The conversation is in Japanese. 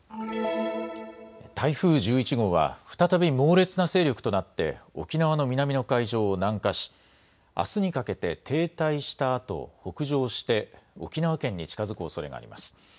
台風１１号は再び猛烈な勢力となって沖縄の南の海上を南下しあすにかけて停滞したあと北上して沖縄県に近づくおそれがあります。